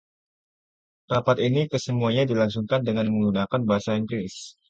Rapat ini kesemuanya dilangsungkan dengan menggunakan bahasa Inggris.